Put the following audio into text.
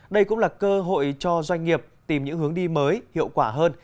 đây cũng là cơ hội cho doanh nghiệp tìm những hướng đi mới hiệu quả hơn